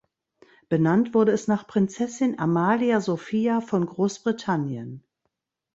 Benannt wurde es nach Prinzessin Amalia Sophia von Großbritannien.